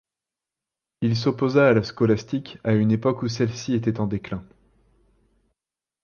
Il s'opposa à la scolastique à une époque où celle-ci était en déclin.